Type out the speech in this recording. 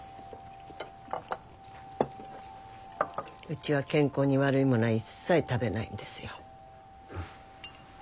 うちは健康に悪いものは一切食べないんですよ。